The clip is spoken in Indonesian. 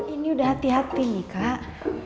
ini udah hati hati nih kak